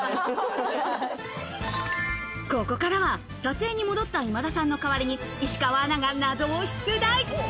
ここからは撮影に戻った今田さんの代わりに、石川アナが謎を出題。